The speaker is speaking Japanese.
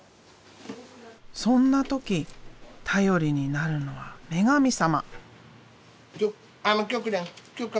そんな時頼りになるのは女神様。